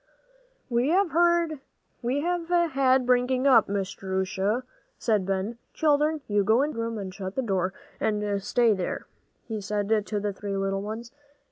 "We have had bringing up, Miss Jerusha," said Ben. "Children, you go into the bedroom, and shut the door, and stay there," he said to the three little ones.